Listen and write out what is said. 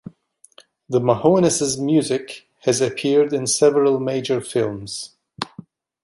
The Mahones' music has appeared in several major films.